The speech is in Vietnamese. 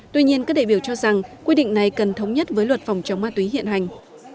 tuy nhiên các đại biểu cho rằng quy định này cần thống nhất với luật phòng chống ma túy hiện hành